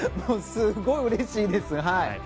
すごいうれしいです。